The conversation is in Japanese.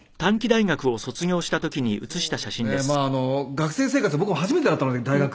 学生生活僕も初めてだったので大学。